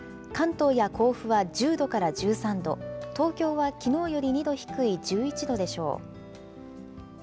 関東や甲府は１０度から１３度、東京はきのうより２度低い１１度でしょう。